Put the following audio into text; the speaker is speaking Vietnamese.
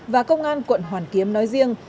và công an quận hoàn kiếm nói riêng